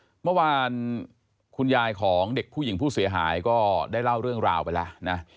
เมื่อวานคุณยายของเด็กผู้หญิงผู้เสียหายก็ได้เล่าเรื่องราวไปแล้วนะ